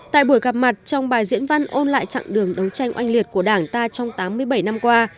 tại buổi gặp mặt trong bài diễn văn ôn lại chặng đường đấu tranh oanh liệt của đảng ta trong tám mươi bảy năm qua